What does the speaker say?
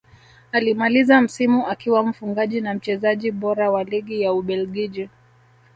Alimaliza msimu akiwa mfungaji na mchezaji bora wa ligi ya ubelgiji